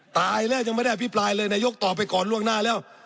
ตายแล้วยังไม่ได้อภิปรายเลยนายกตอบไปก่อนล่วงหน้าแล้ว